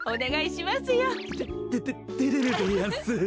ててててれるでやんす。